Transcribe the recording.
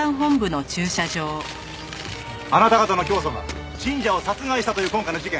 あなた方の教祖が信者を殺害したという今回の事件